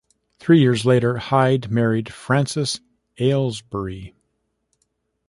Three years later, Hyde married Frances Aylesbury.